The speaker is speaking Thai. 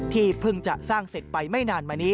ที่เพิ่งจะสร้างเสร็จไปไม่นานมานี้